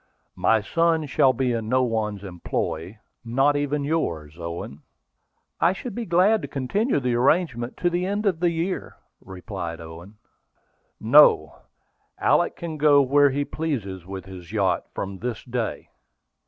"My son shall be in no one's employ, not even in yours, Owen." "I should be glad to continue the arrangement to the end of the year," replied Owen. "No; Alick can go where he pleases with his yacht from this day.